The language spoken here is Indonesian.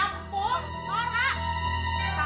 dasar perempuan kampung norak